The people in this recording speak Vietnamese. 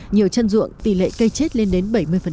nhiều chân ruộng tỷ lệ cây chết lên đến bảy mươi